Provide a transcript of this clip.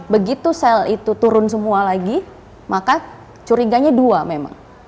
begitu sel itu turun semua lagi maka curiganya dua memang